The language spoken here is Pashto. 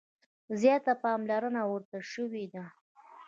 زیاته پاملرنه ورته شوې ده.